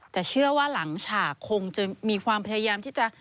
แต่เชื่อว่าหลังฉากคงจะมีความพยายามที่จะ